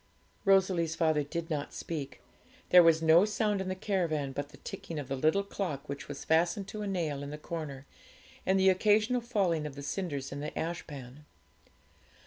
Rosalie's father did not speak; there was no sound in the caravan but the ticking of the little clock which was fastened to a nail in the corner, and the occasional falling of the cinders in the ashpan.